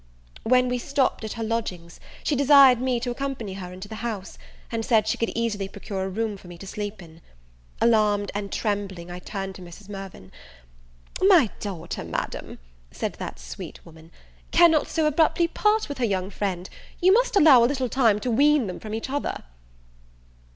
When we stopt at her lodgings, she desired me to accompany her into the house, and said she could easily procure a room for me to sleep in. Alarmed and trembling, I turned to Mrs. Mirvan. "My daughter, Madam," said that sweet woman, "cannot so abruptly part with her young friend; you must allow a little time to wean them from each other."